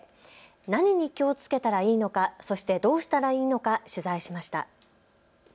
何に気をつけたらいいのか、そしてどうしたらいいのか取材しました。